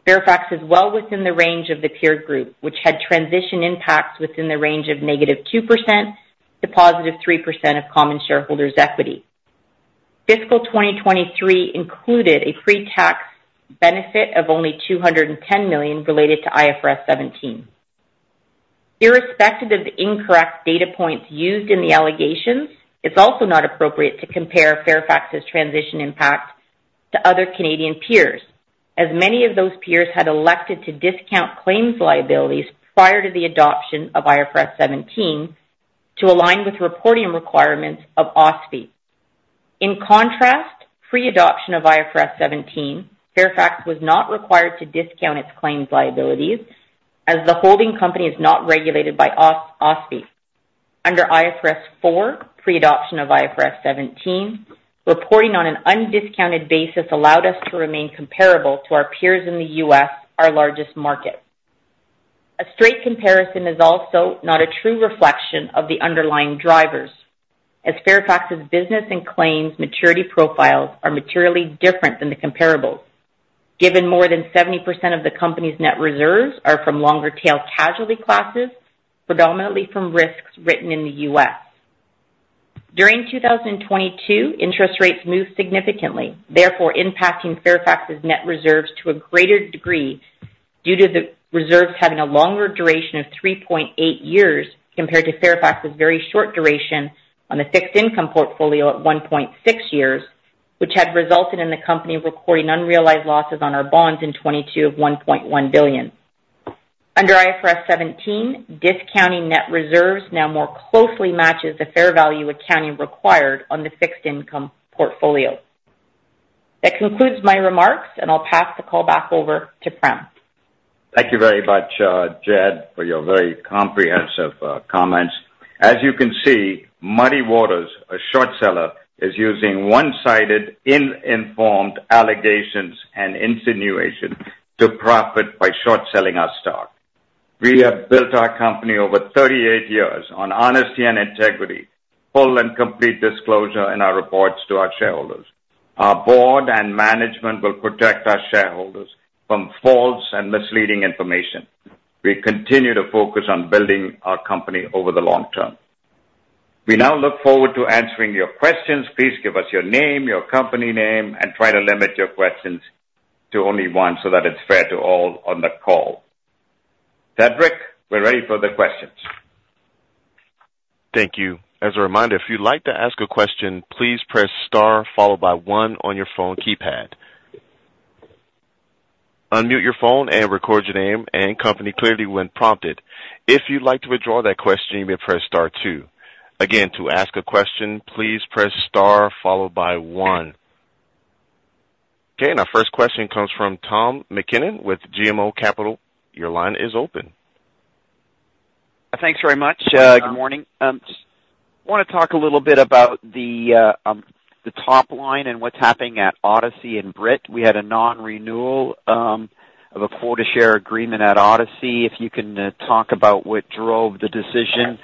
Fairfax is well within the range of the peer group, which had transition impacts within the range of -2% to +3% of common shareholders' equity. Fiscal 2023 included a pre-tax benefit of only $210 million related to IFRS 17. Irrespective of the incorrect data points used in the allegations, it's also not appropriate to compare Fairfax's transition impact to other Canadian peers, as many of those peers had elected to discount claims liabilities prior to the adoption of IFRS 17 to align with reporting requirements of OSFI. In contrast, pre-adoption of IFRS 17, Fairfax was not required to discount its claims liabilities, as the holding company is not regulated by OSFI. Under IFRS 4, pre-adoption of IFRS 17, reporting on an undiscounted basis allowed us to remain comparable to our peers in the U.S., our largest market. A straight comparison is also not a true reflection of the underlying drivers, as Fairfax's business and claims maturity profiles are materially different than the comparables, given more than 70% of the company's net reserves are from longer-tail casualty classes, predominantly from risks written in the U.S. During 2022, interest rates moved significantly, therefore impacting Fairfax's net reserves to a greater degree due to the reserves having a longer duration of 3.8 years compared to Fairfax's very short duration on the fixed income portfolio at 1.6 years, which had resulted in the company recording unrealized losses on our bonds in 2022 of $1.1 billion. Under IFRS 17, discounting net reserves now more closely matches the fair value accounting required on the fixed income portfolio. That concludes my remarks, and I'll pass the call back over to Prem. Thank you very much, Jen, for your very comprehensive comments. As you can see, Muddy Waters, a short seller, is using one-sided, uninformed allegations and insinuations to profit by short-selling our stock. We have built our company over 38 years on honesty and integrity, full and complete disclosure in our reports to our shareholders. Our board and management will protect our shareholders from false and misleading information. We continue to focus on building our company over the long term. We now look forward to answering your questions. Please give us your name, your company name, and try to limit your questions to only one so that it's fair to all on the call. Cedric, we're ready for the questions. Thank you. As a reminder, if you'd like to ask a question, please press star followed by one on your phone keypad. Unmute your phone and record your name and company clearly when prompted. If you'd like to withdraw that question, you may press star two. Again, to ask a question, please press star followed by one. Okay. And our first question comes from Tom MacKinnon with BMO Capital Markets. Your line is open. Thanks very much. Good morning. I want to talk a little bit about the top line and what's happening at Odyssey and Brit. We had a non-renewal of a quota share agreement at Odyssey. If you can talk about what drove the decision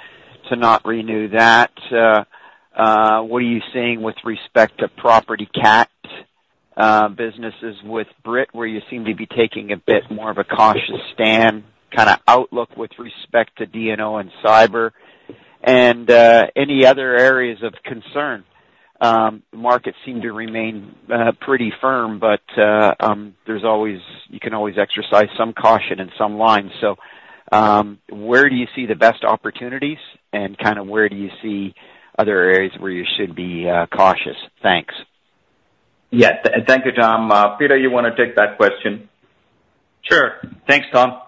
to not renew that. What are you seeing with respect to property CAT businesses with Brit, where you seem to be taking a bit more of a cautious stand, kind of outlook with respect to D&O and cyber, and any other areas of concern? The markets seem to remain pretty firm, but you can always exercise some caution in some lines. So where do you see the best opportunities, and kind of where do you see other areas where you should be cautious? Thanks. Yeah. Thank you, Tom. Peter, you want to take that question? Sure. Thanks, Tom.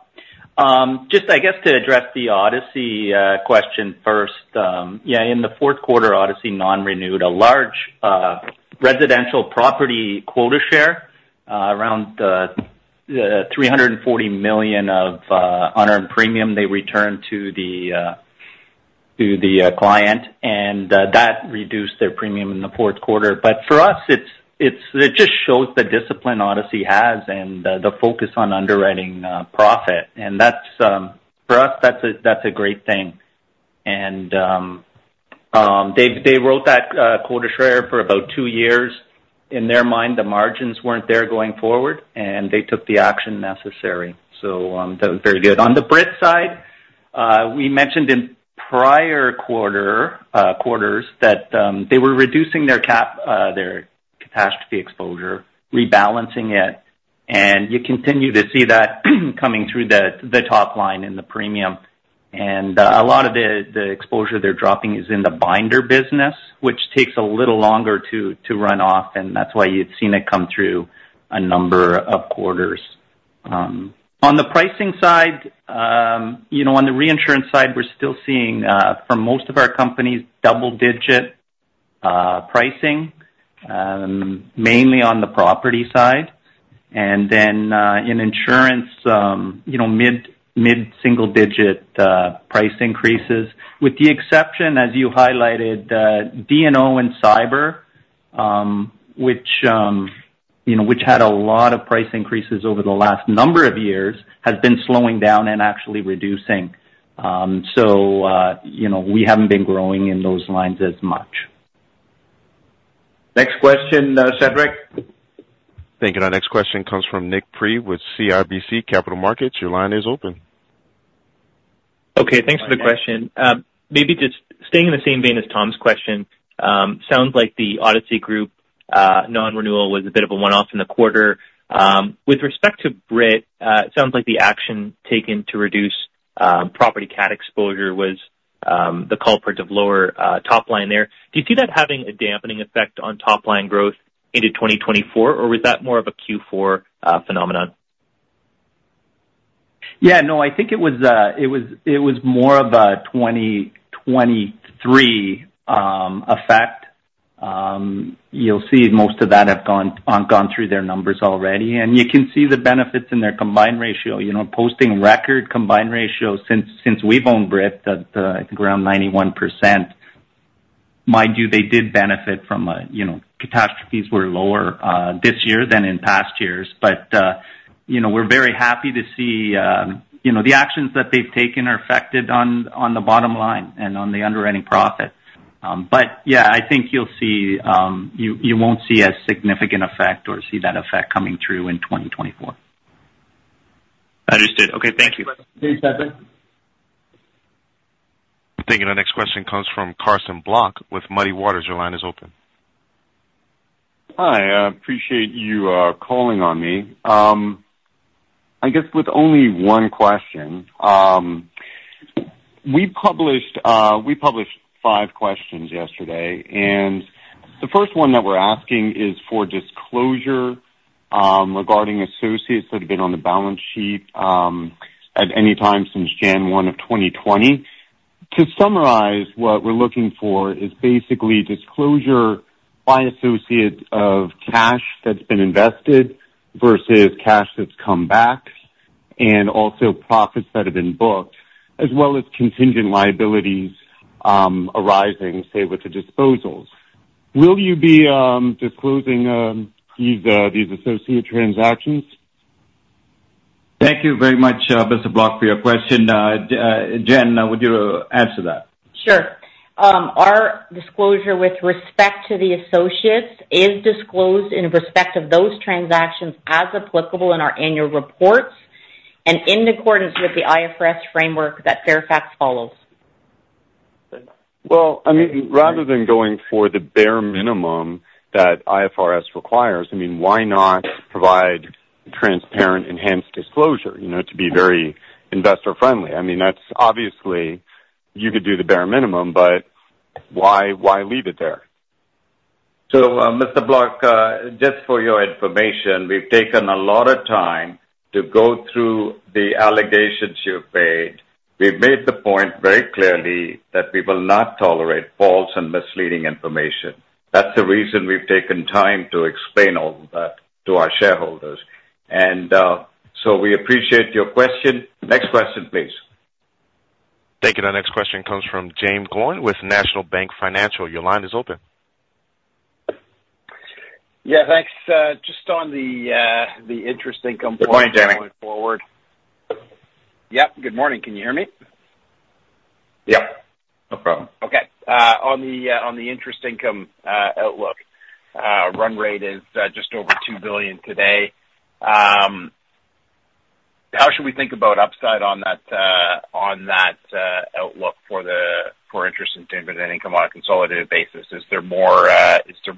Just, I guess, to address the Odyssey question first. Yeah, in the fourth quarter, Odyssey non-renewed a large residential property quota share, around the $340 million of unearned premium they returned to the client, and that reduced their premium in the fourth quarter. But for us, it just shows the discipline Odyssey has and the focus on underwriting profit. And for us, that's a great thing. And they wrote that quota share for about two years. In their mind, the margins weren't there going forward, and they took the action necessary. So that was very good. On the Brit side, we mentioned in prior quarters that they were reducing their catastrophe exposure, rebalancing it, and you continue to see that coming through the top line in the premium. A lot of the exposure they're dropping is in the binder business, which takes a little longer to run off, and that's why you'd seen it come through a number of quarters. On the pricing side, on the reinsurance side, we're still seeing, for most of our companies, double-digit pricing, mainly on the property side. Then in insurance, mid-single-digit price increases, with the exception, as you highlighted, D&O and cyber, which had a lot of price increases over the last number of years, has been slowing down and actually reducing. We haven't been growing in those lines as much. Next question, Cedric. Thank you. Our next question comes from Nik Priebe with CIBC Capital Markets. Your line is open. Okay. Thanks for the question. Maybe just staying in the same vein as Tom's question, sounds like the Odyssey Group non-renewal was a bit of a one-off in the quarter. With respect to Brit, it sounds like the action taken to reduce property CAT exposure was the culprit of lower top line there. Do you see that having a dampening effect on top line growth into 2024, or was that more of a Q4 phenomenon? Yeah. No, I think it was more of a 2023 effect. You'll see most of that have gone through their numbers already. And you can see the benefits in their combined ratio, posting record combined ratio since we've owned Brit, I think around 91%. Mind you, they did benefit from catastrophes that were lower this year than in past years. But we're very happy to see the actions that they've taken are affected on the bottom line and on the underwriting profit. But yeah, I think you won't see as significant effect or see that effect coming through in 2024. Understood. Okay. Thank you. Next question, please, Cedric. Thank you. Our next question comes from Carson Block with Muddy Waters. Your line is open. Hi. I appreciate you calling on me. I guess with only one question. We published five questions yesterday, and the first one that we're asking is for disclosure regarding associates that have been on the balance sheet at any time since January 1, 2020. To summarize, what we're looking for is basically disclosure by associate of cash that's been invested versus cash that's come back, and also profits that have been booked, as well as contingent liabilities arising, say, with the disposals. Will you be disclosing these associate transactions? Thank you very much, Mr. Block, for your question. Jen, would you answer that? Sure. Our disclosure with respect to the associates is disclosed in respect of those transactions as applicable in our annual reports and in accordance with the IFRS framework that Fairfax follows. Well, I mean, rather than going for the bare minimum that IFRS requires, I mean, why not provide transparent, enhanced disclosure to be very investor-friendly? I mean, obviously, you could do the bare minimum, but why leave it there? So, Mr. Block, just for your information, we've taken a lot of time to go through the allegations you've made. We've made the point very clearly that we will not tolerate false and misleading information. That's the reason we've taken time to explain all of that to our shareholders. And so we appreciate your question. Next question, please. Thank you. Our next question comes from Jaeme Gloyn with National Bank Financial. Your line is open. Yeah. Thanks. Just on the interest income point. Good morning, Jaeme. Going forward. Yep. Good morning. Can you hear me? Yep. No problem. Okay. On the interest income outlook, run rate is just over $2 billion today. How should we think about upside on that outlook for interest and dividend income on a consolidated basis? Is there more juice to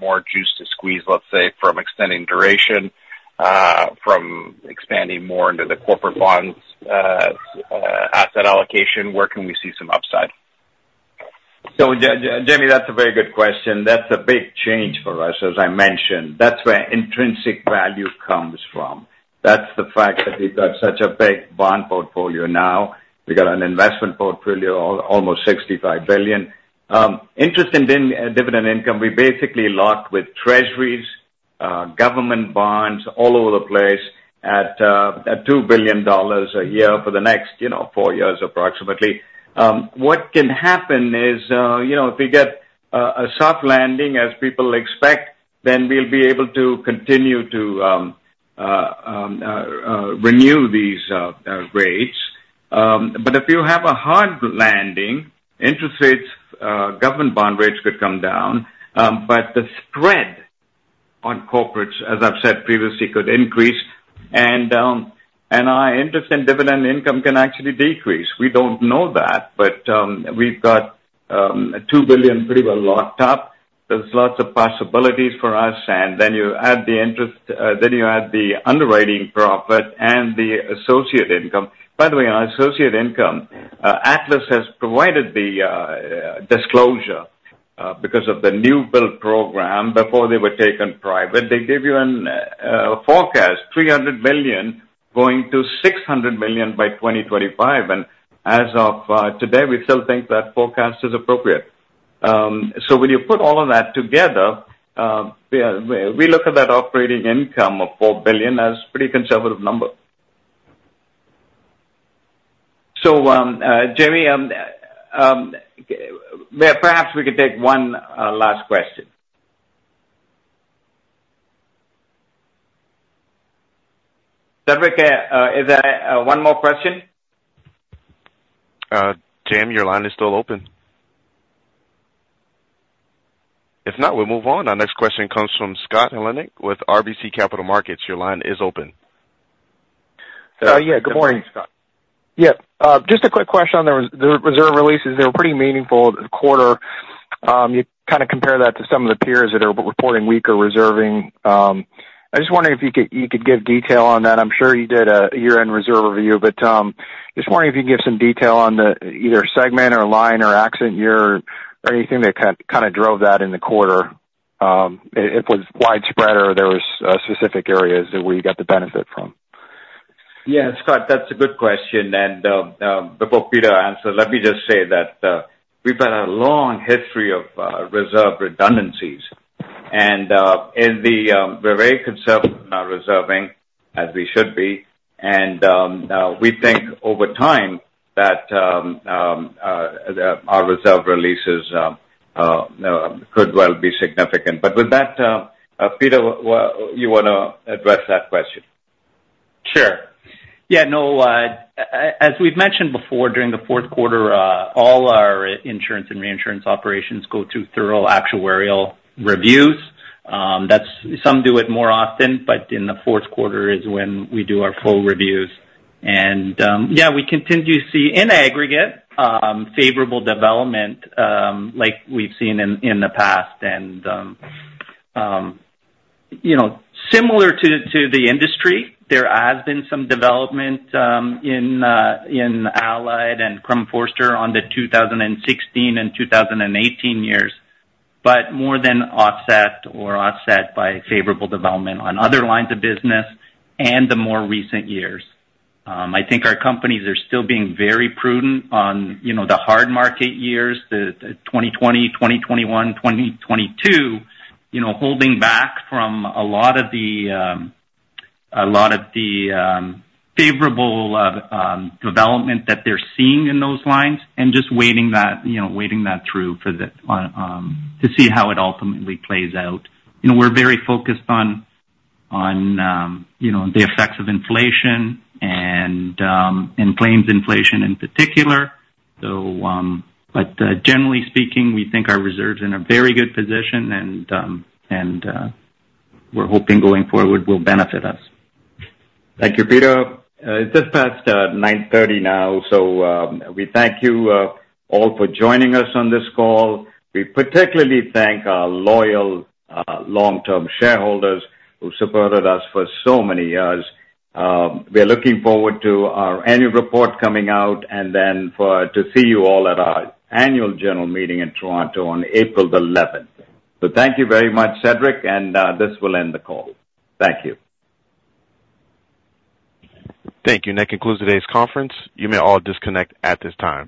squeeze, let's say, from extending duration, from expanding more into the corporate bonds asset allocation? Where can we see some upside? So, Jaeme, that's a very good question. That's a big change for us, as I mentioned. That's where intrinsic value comes from. That's the fact that we've got such a big bond portfolio now. We've got an investment portfolio, almost $65 billion. Interest and dividend income, we basically locked with treasuries, government bonds all over the place at $2 billion a year for the next four years, approximately. What can happen is if we get a soft landing, as people expect, then we'll be able to continue to renew these rates. But if you have a hard landing, government bond rates could come down, but the spread on corporates, as I've said previously, could increase. And our interest and dividend income can actually decrease. We don't know that, but we've got $2 billion pretty well locked up. There's lots of possibilities for us. And then you add the interest, then you add the underwriting profit and the associate income. By the way, on associate income, Atlas has provided the disclosure because of the newbuild program. Before they were taken private, they gave you a forecast, $300 million going to $600 million by 2025. And as of today, we still think that forecast is appropriate. So when you put all of that together, we look at that operating income of $4 billion as a pretty conservative number. So, Jaeme, perhaps we could take one last question. Cedric, is there one more question? Jaeme, your line is still open. If not, we'll move on. Our next question comes from Scott Heleniak with RBC Capital Markets. Your line is open. Yeah. Good morning, Scott. Yeah. Just a quick question on the reserve releases. They were pretty meaningful this quarter. You kind of compare that to some of the peers that are reporting weaker reserving. I just wondered if you could give detail on that. I'm sure you did a year-end reserve review, but just wondering if you can give some detail on either segment or line or accident year or anything that kind of drove that in the quarter, if it was widespread or there were specific areas that we got the benefit from. Yeah, Scott, that's a good question. And before Peter answers, let me just say that we've had a long history of reserve redundancies. And we're very conservative in our reserving, as we should be. And we think over time that our reserve releases could well be significant. But with that, Peter, you want to address that question? Sure. Yeah. No, as we've mentioned before, during the fourth quarter, all our insurance and reinsurance operations go through thorough actuarial reviews. Some do it more often, but in the fourth quarter is when we do our full reviews. And yeah, we continue to see, in aggregate, favorable development like we've seen in the past. And similar to the industry, there has been some development in Allied and Crum & Forster on the 2016 and 2018 years, but more than offset or offset by favorable development on other lines of business and the more recent years. I think our companies are still being very prudent on the hard market years, the 2020, 2021, 2022, holding back from a lot of the a lot of the favorable development that they're seeing in those lines and just waiting that through to see how it ultimately plays out. We're very focused on the effects of inflation and claims inflation in particular. But generally speaking, we think our reserves are in a very good position, and we're hoping going forward will benefit us. Thank you, Peter. It's just past 9:30 A.M. now, so we thank you all for joining us on this call. We particularly thank our loyal long-term shareholders who supported us for so many years. We're looking forward to our annual report coming out and then to see you all at our annual general meeting in Toronto on April the 11th. Thank you very much, Cedric, and this will end the call. Thank you. Thank you. And that concludes today's conference. You may all disconnect at this time.